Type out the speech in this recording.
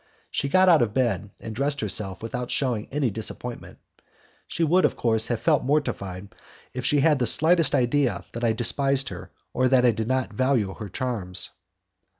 She got out of bed and dressed herself without shewing any disappointment. She would, of course, have felt mortified if she had had the slightest idea that I despised her, or that I did not value her charms.